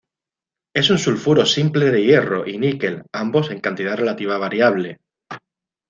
Es un sulfuro simple de hierro y níquel, ambos en cantidad relativa variable.